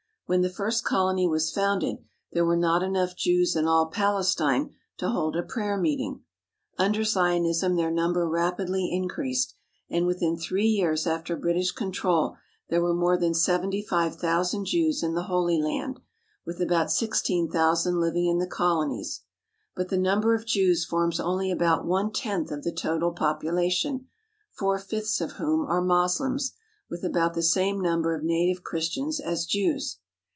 When the first colony was founded there were not enough Jews in all Palestine to hold a prayer meeting. Under Zionism their number rapidly increased, and within three years after British control there were more than seventy five thousand Jews in the Holy Land, with about sixteen thousand living in the colonies. But the number of Jews forms only about one tenth of the total population, four fifths of whom are Moslems, with about the same number of native Christians as Jews.